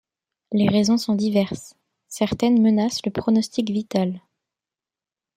Les raisons sont diverses, certaines menacent le pronostic vital.